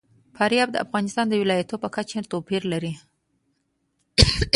فاریاب د افغانستان د ولایاتو په کچه توپیر لري.